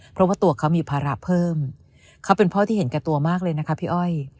เพราะว่าตัวเขามีภาระเพิ่มเขาเป็นพ่อที่เห็นแก่ตัวมากเลยนะคะพี่อ้อย